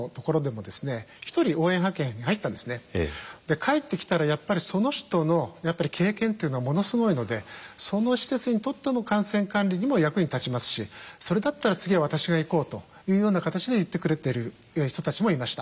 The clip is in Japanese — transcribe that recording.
帰ってきたらやっぱりその人の経験っていうのはものすごいのでその施設にとっての感染管理にも役に立ちますしそれだったら次は私が行こうというような形で言ってくれてる人たちもいました。